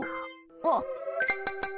あっ。